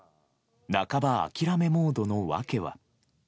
半ば諦めモードの訳は。